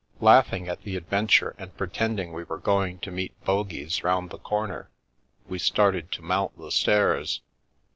Laughing at the adventure and pretending we were going to meet bogies round the corner, we started to mount the stairs.